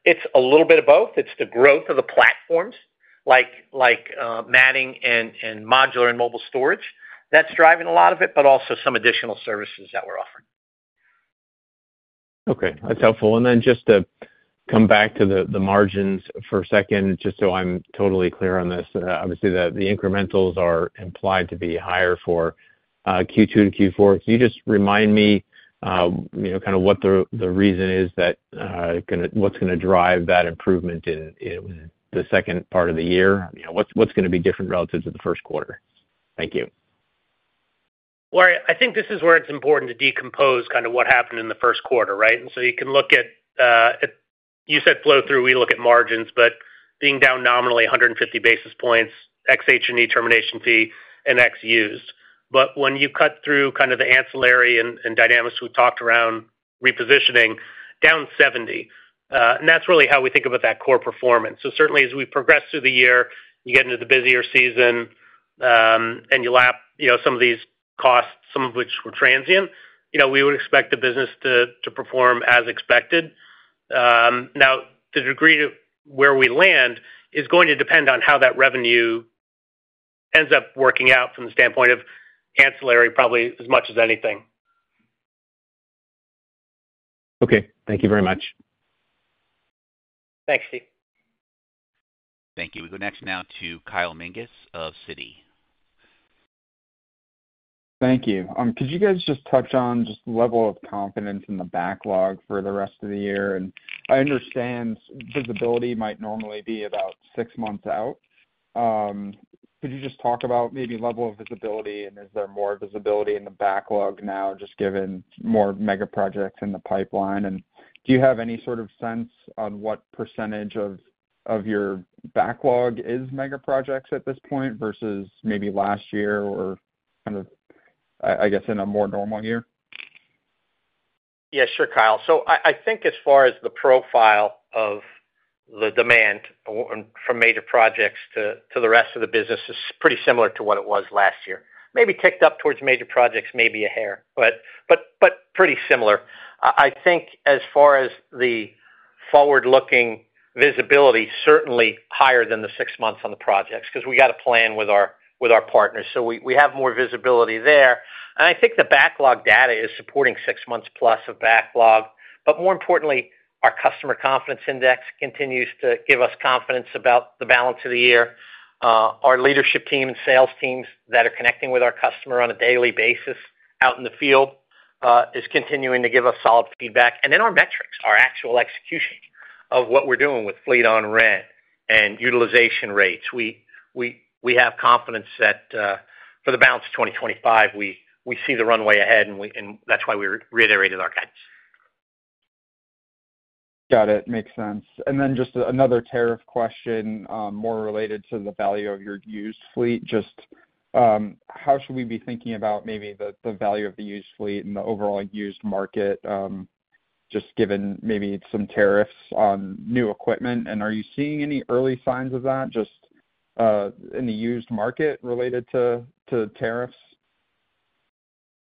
It's a little bit of both. It's the growth of the platforms like matting and modular and mobile storage that's driving a lot of it, but also some additional services that we're offering. Okay. That's helpful. Just to come back to the margins for a second, just so I'm totally clear on this, obviously, the incrementals are implied to be higher for Q2 to Q4. Can you just remind me kind of what the reason is that what's going to drive that improvement in the second part of the year? What's going to be different relative to the first quarter? Thank you. I think this is where it's important to decompose kind of what happened in the first quarter, right? You can look at you said flow through, we look at margins, but being down nominally 150 basis points, ex-H&E termination fee, and ex-used. When you cut through kind of the ancillary and dynamics we talked around repositioning, down 70. That is really how we think about that core performance. Certainly, as we progress through the year, you get into the busier season and you lap some of these costs, some of which were transient, we would expect the business to perform as expected. The degree to where we land is going to depend on how that revenue ends up working out from the standpoint of ancillary, probably as much as anything. Okay. Thank you very much. Thanks, Steve. Thank you. We go next now to Kyle Menges of Citi. Thank you. Could you guys just touch on just the level of confidence in the backlog for the rest of the year? I understand visibility might normally be about six months out. Could you just talk about maybe level of visibility and is there more visibility in the backlog now just given more mega projects in the pipeline? Do you have any sort of sense on what percentage of your backlog is mega projects at this point versus maybe last year or kind of, I guess, in a more normal year? Yeah. Sure, Kyle. I think as far as the profile of the demand from major projects to the rest of the business is pretty similar to what it was last year. Maybe ticked up towards major projects maybe a hair, but pretty similar. I think as far as the forward-looking visibility, certainly higher than the six months on the projects because we got to plan with our partners. We have more visibility there. I think the backlog data is supporting six months plus of backlog. More importantly, our customer confidence index continues to give us confidence about the balance of the year. Our leadership team and sales teams that are connecting with our customer on a daily basis out in the field is continuing to give us solid feedback. Our metrics, our actual execution of what we're doing with fleet on rent and utilization rates. We have confidence that for the balance of 2025, we see the runway ahead, and that's why we reiterated our guidance. Got it. Makes sense. Just another tariff question more related to the value of your used fleet. Just how should we be thinking about maybe the value of the used fleet and the overall used market just given maybe some tariffs on new equipment? Are you seeing any early signs of that just in the used market related to tariffs?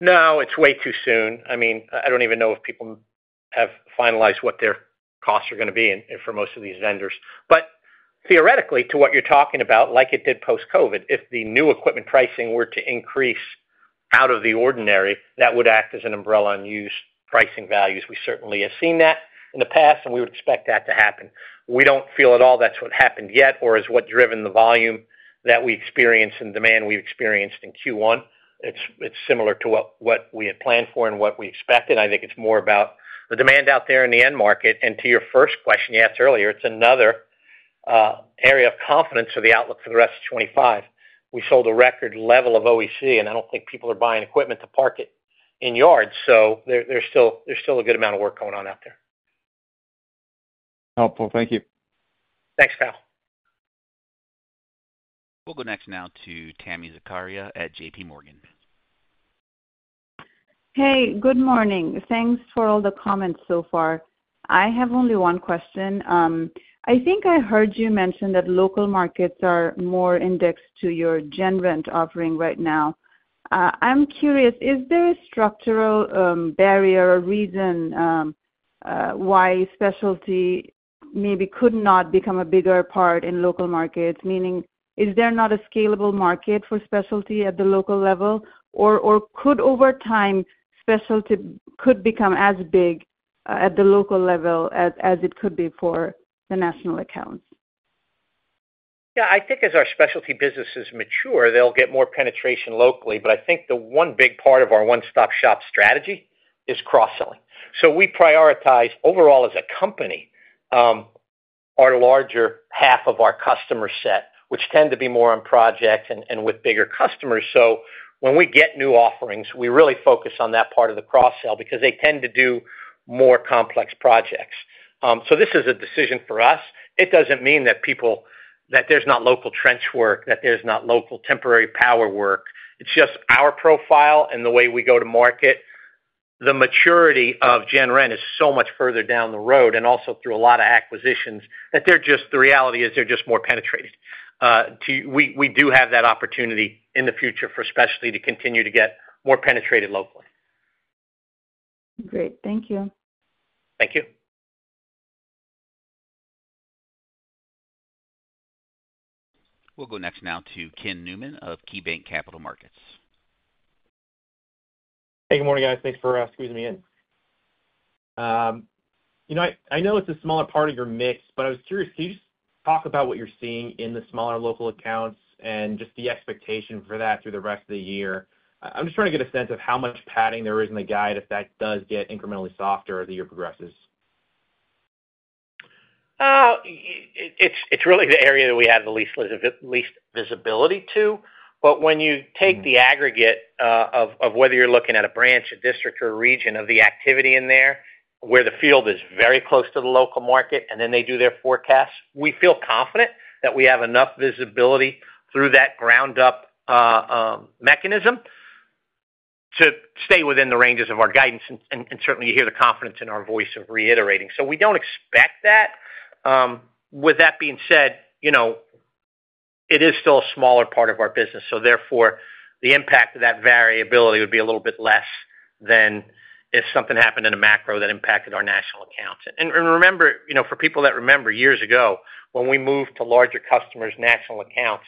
No, it's way too soon. I mean, I don't even know if people have finalized what their costs are going to be for most of these vendors. Theoretically, to what you're talking about, like it did post-COVID, if the new equipment pricing were to increase out of the ordinary, that would act as an umbrella on used pricing values. We certainly have seen that in the past, and we would expect that to happen. We don't feel at all that's what happened yet or is what driven the volume that we experienced and demand we've experienced in Q1. It's similar to what we had planned for and what we expected. I think it's more about the demand out there in the end market. To your first question you asked earlier, it's another area of confidence for the outlook for the rest of 2025. We sold a record level of OEC, and I don't think people are buying equipment to park it in yards. There is still a good amount of work going on out there. Helpful. Thank you. Thanks, Kyle. We'll go next now to Tami Zakaria at JPMorgan. Hey, good morning. Thanks for all the comments so far. I have only one question. I think I heard you mention that local markets are more indexed to your gen rent offering right now. I'm curious, is there a structural barrier or reason why specialty maybe could not become a bigger part in local markets? Meaning, is there not a scalable market for specialty at the local level? Or could over time, specialty could become as big at the local level as it could be for the national accounts? Yeah. I think as our specialty businesses mature, they'll get more penetration locally. I think the one big part of our one-stop-shop strategy is cross-selling. We prioritize overall as a company our larger half of our customer set, which tend to be more on projects and with bigger customers. When we get new offerings, we really focus on that part of the cross-sell because they tend to do more complex projects. This is a decision for us. It doesn't mean that there's not local trench work, that there's not local temporary power work. It's just our profile and the way we go to market. The maturity of gen rent is so much further down the road and also through a lot of acquisitions that the reality is they're just more penetrated. We do have that opportunity in the future for specialty to continue to get more penetrated locally. Great. Thank you. Thank you. We'll go next now to Ken Newman of KeyBanc Capital Markets. Hey, good morning, guys. Thanks for squeezing me in. I know it's a smaller part of your mix, but I was curious, can you just talk about what you're seeing in the smaller local accounts and just the expectation for that through the rest of the year? I'm just trying to get a sense of how much padding there is in the guide if that does get incrementally softer as the year progresses. It's really the area that we have the least visibility to. But when you take the aggregate of whether you're looking at a branch, a district, or a region of the activity in there where the field is very close to the local market, and then they do their forecasts, we feel confident that we have enough visibility through that ground-up mechanism to stay within the ranges of our guidance. You certainly hear the confidence in our voice of reiterating. We don't expect that. With that being said, it is still a smaller part of our business. Therefore, the impact of that variability would be a little bit less than if something happened in a macro that impacted our national accounts. Remember, for people that remember years ago, when we moved to larger customers' national accounts,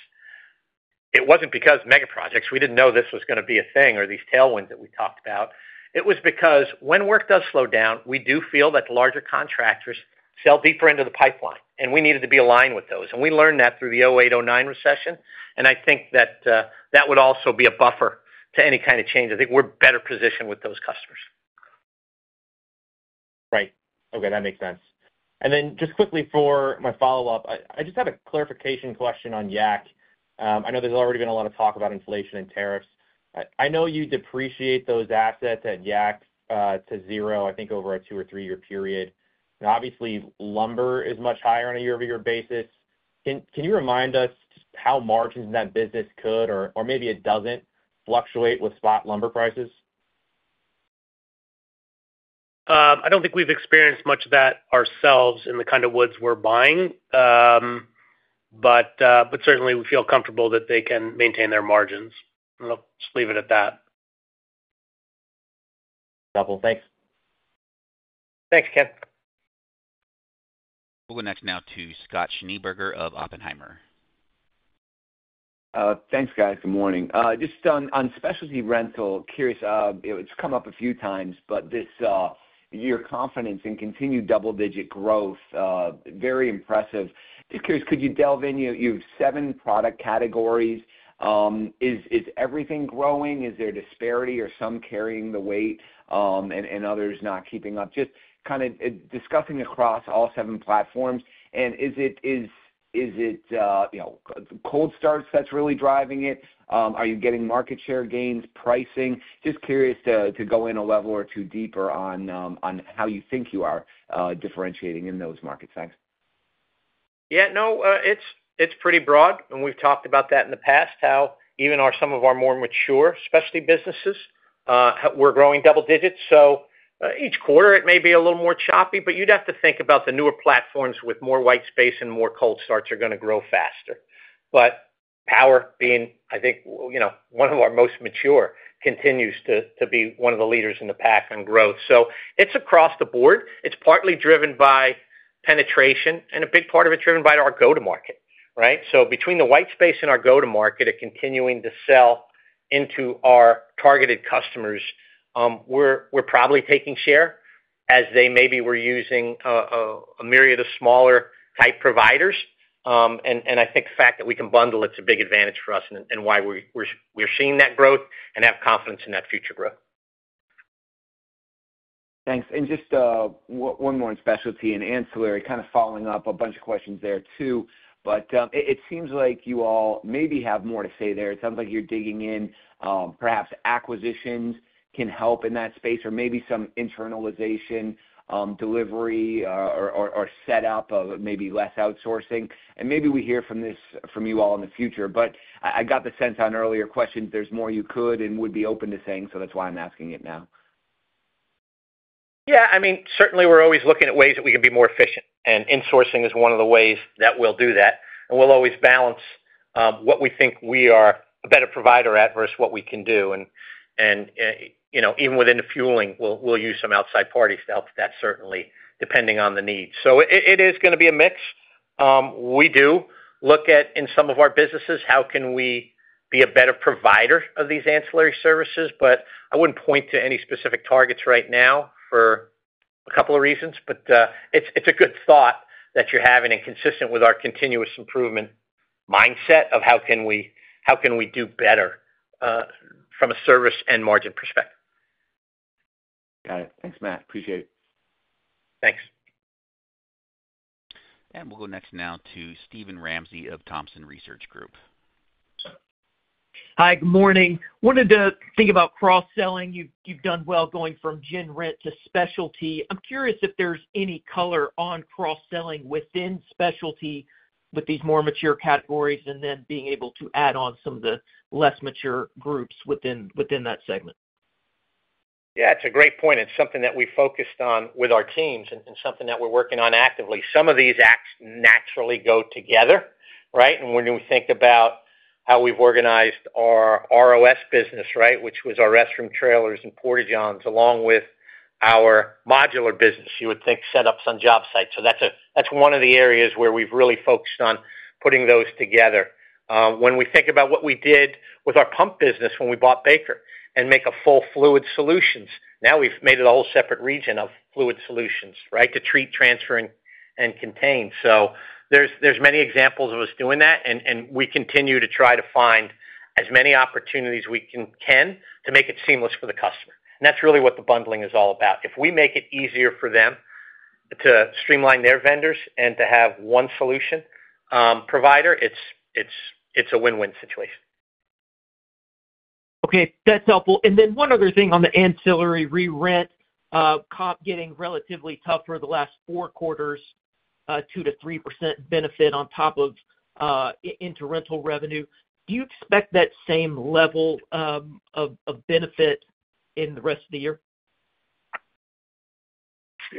it wasn't because mega projects. We didn't know this was going to be a thing or these tailwinds that we talked about. It was because when work does slow down, we do feel that the larger contractors sell deeper into the pipeline, and we needed to be aligned with those. We learned that through the 2008, 2009 recession. I think that that would also be a buffer to any kind of change. I think we're better positioned with those customers. Right. Okay. That makes sense. Just quickly for my follow-up, I just have a clarification question on Yak. I know there's already been a lot of talk about inflation and tariffs. I know you depreciate those assets at Yak to zero, I think, over a two or three-year period. Obviously, lumber is much higher on a year-over-year basis. Can you remind us just how margins in that business could or maybe it does not fluctuate with spot lumber prices? I don't think we've experienced much of that ourselves in the kind of woods we're buying. Certainly, we feel comfortable that they can maintain their margins. I'll just leave it at that. Helpful. Thanks. Thanks, Ken. We'll go next now to Scott Schneeberger of Oppenheimer. Thanks, guys. Good morning. Just on specialty rental, curious, it's come up a few times, but your confidence in continued double-digit growth, very impressive. Just curious, could you delve in? You have seven product categories. Is everything growing? Is there disparity or some carrying the weight and others not keeping up? Just kind of discussing across all seven platforms. Is it cold starts that's really driving it? Are you getting market share gains, pricing? Just curious to go in a level or two deeper on how you think you are differentiating in those markets. Thanks. Yeah. No, it's pretty broad. We've talked about that in the past, how even some of our more mature specialty businesses, we're growing double digits. Each quarter, it may be a little more choppy, but you'd have to think about the newer platforms with more white space and more cold starts are going to grow faster. But power, being I think one of our most mature, continues to be one of the leaders in the pack on growth. It's across the board. It's partly driven by penetration, and a big part of it driven by our go-to-market, right? Between the white space and our go-to-market, it's continuing to sell into our targeted customers. We're probably taking share as they maybe were using a myriad of smaller-type providers. I think the fact that we can bundle, it's a big advantage for us and why we're seeing that growth and have confidence in that future growth. Thanks. Just one more on specialty and ancillary, kind of following up a bunch of questions there too. It seems like you all maybe have more to say there. It sounds like you're digging in. Perhaps acquisitions can help in that space or maybe some internalization, delivery, or setup of maybe less outsourcing. Maybe we hear from you all in the future. I got the sense on earlier questions, there's more you could and would be open to saying, so that's why I'm asking it now. Yeah. I mean, certainly, we're always looking at ways that we can be more efficient. Insourcing is one of the ways that we'll do that. We'll always balance what we think we are a better provider at versus what we can do. Even within the fueling, we'll use some outside parties to help with that, certainly, depending on the need. It is going to be a mix. We do look at, in some of our businesses, how can we be a better provider of these ancillary services. I wouldn't point to any specific targets right now for a couple of reasons. It's a good thought that you're having and consistent with our continuous improvement mindset of how can we do better from a service and margin perspective. Got it. Thanks, Matt. Appreciate it. Thanks. We will go next now to Steven Ramsey of Thompson Research Group. Hi. Good morning. Wanted to think about cross-selling. You've done well going from gen rent to specialty. I'm curious if there's any color on cross-selling within specialty with these more mature categories and then being able to add on some of the less mature groups within that segment. Yeah. It's a great point. It's something that we focused on with our teams and something that we're working on actively. Some of these acts naturally go together, right? When you think about how we've organized our ROS business, right, which was our restroom trailers and porta-johns along with our modular business, you would think setups on job sites. That's one of the areas where we've really focused on putting those together. When we think about what we did with our pump business when we bought Baker and made a full Fluid Solutions, now we've made it a whole separate region of fluid solutions, right, to treat, transfer, and contain. There are many examples of us doing that. We continue to try to find as many opportunities as we can to make it seamless for the customer. That's really what the bundling is all about. If we make it easier for them to streamline their vendors and to have one solution provider, it's a win-win situation. Okay. That's helpful. One other thing on the ancillary re-rent, comp getting relatively tough for the last four quarters, 2-3% benefit on top of inter-rental revenue. Do you expect that same level of benefit in the rest of the year?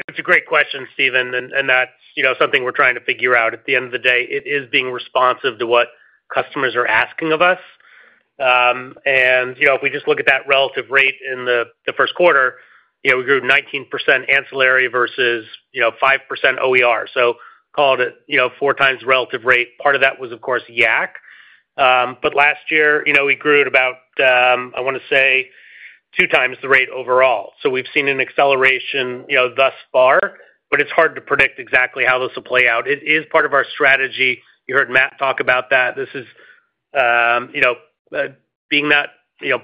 It's a great question, Steven. That is something we're trying to figure out. At the end of the day, it is being responsive to what customers are asking of us. If we just look at that relative rate in the first quarter, we grew 19% ancillary versus 5% OER. Call it four times relative rate. Part of that was, of course, Yak. Last year, we grew at about, I want to say, two times the rate overall. We have seen an acceleration thus far, but it's hard to predict exactly how this will play out. It is part of our strategy. You heard Matt talk about that. This is being that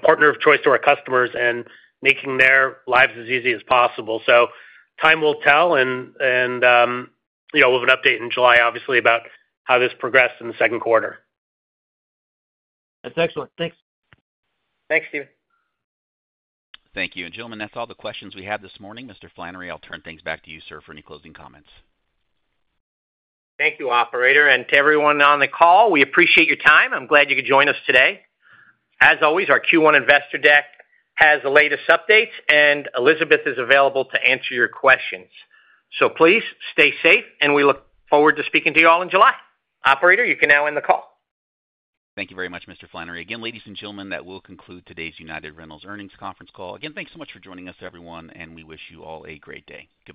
partner of choice to our customers and making their lives as easy as possible. Time will tell. We will have an update in July, obviously, about how this progressed in the second quarter. That's excellent. Thanks. Thanks, Steven. Thank you. Gentlemen, that's all the questions we had this morning. Mr. Flannery, I'll turn things back to you, sir, for any closing comments. Thank you, operator. To everyone on the call, we appreciate your time. I'm glad you could join us today. As always, our Q1 Investor Deck has the latest updates, and Elizabeth is available to answer your questions. Please stay safe, and we look forward to speaking to you all in July. Operator, you can now end the call. Thank you very much, Mr. Flannery. Again, ladies and gentlemen, that will conclude today's United Rentals earnings conference call. Again, thanks so much for joining us, everyone, and we wish you all a great day. Goodbye.